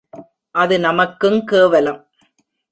அது நமக்குங் கேவலம்.